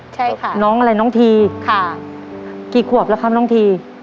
ใช่ค่ะน้องอะไรน้องทีค่ะกี่ขวบแล้วครับน้องที